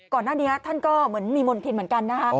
ก่อนหน้านี้ท่านก็เหมือนมีมณฑินเหมือนกันนะฮะ